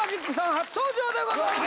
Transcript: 初登場でございます！